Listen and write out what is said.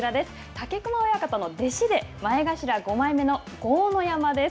武隈親方の弟子で、前頭５枚目の豪ノ山です。